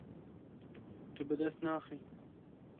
Tu bi dest naxî.